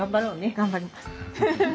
頑張ります。